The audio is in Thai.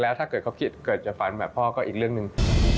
แล้วถ้าเกิดเขาคิดเกิดจะฟันแบบพ่อก็อีกเรื่องหนึ่ง